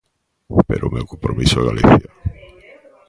Pero o meu compromiso é Galicia.